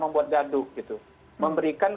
membuat gaduh gitu memberikan